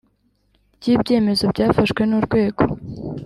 Ry ibyemezo byafashwe n urwego